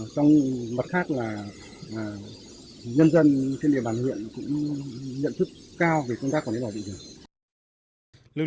trong mặt khác là nhân dân trên địa bàn huyện cũng nhận thức cao về công tác của lực lượng kiểm lâm